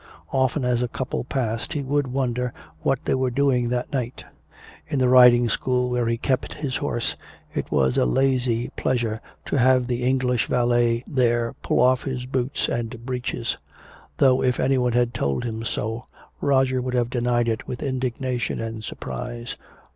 Often as a couple passed he would wonder what they were doing that night. In the riding school where he kept his horse, it was a lazy pleasure to have the English "valet" there pull off his boots and breeches though if anyone had told him so, Roger would have denied it with indignation and surprise.